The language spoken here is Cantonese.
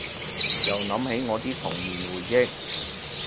又諗起我啲童年回憶